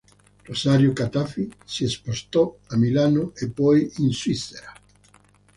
Rosario Cattafi si spostò a Milano e poi in Svizzera.